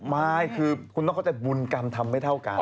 ไม่คือคุณต้องควรแบบบุญกรรมทำให้เท่ากัน